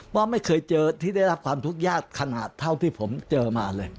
ว่าไม่เคยเจอที่ได้รับความทุกข์ยากขนาดเท่าที่ผมเจอมาเลย